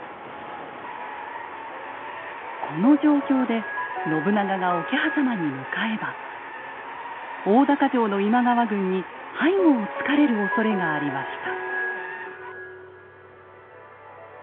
この状況で信長が桶狭間に向かえば大高城の今川軍に背後をつかれるおそれがありました。